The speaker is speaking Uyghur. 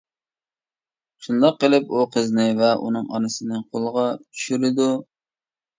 شۇنداق قىلىپ، ئۇ قىزنى ۋە ئۇنىڭ ئانىسىنى قولغا چۈشۈرىدۇ.